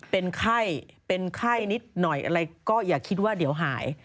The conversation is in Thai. เป็นไข้เป็นไข้นิดหน่อยอะไรก็อย่าคิดว่าเดี๋ยวหาย